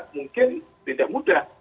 mungkin tidak mudah